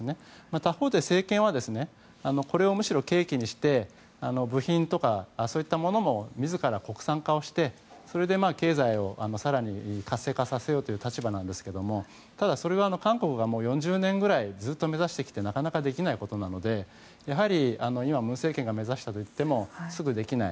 他方で、政権はこれをむしろ契機にして部品とか、そういったものも自ら、国産化をしてそれで、経済を更に活性化させようという立場なんですけどもただ、それは韓国が４０年ぐらいずっと目指してきてなかなかできないことなので今、文政権が目指しているといってもすぐできない。